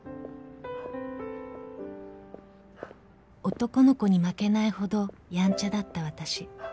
［男の子に負けないほどやんちゃだったわたし］